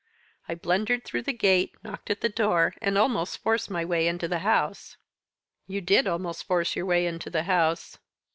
I blundered through the gate, knocked at the door and almost forced my way into the house." "You did almost force your way into the house."